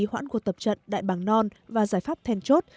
hoãn cuộc tập trận đại bàng non và giải pháp thèn chốt